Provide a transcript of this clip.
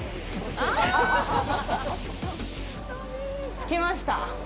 着きました。